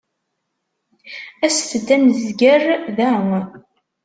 Aset-d ad nezger da.